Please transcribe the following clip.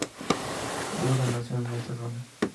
Buda nació en esta zona.